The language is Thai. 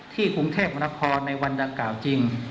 กรุงเทพมนครในวันดังกล่าวจริง